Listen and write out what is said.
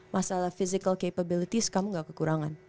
masalah physical capabilities kamu gak kekurangan